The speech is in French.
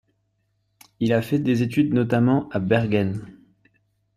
Il fait des études notamment à Bergen.